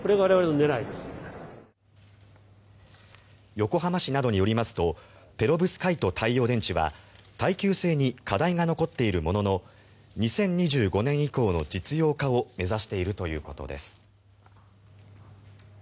横浜市などによりますとペロブスカイト太陽電池は耐久性に課題が残っているものの２０２５年以降の実用化を目指しているということです。